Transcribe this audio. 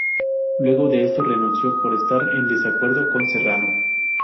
Luego de esto renunció por estar en desacuerdo con Serrano.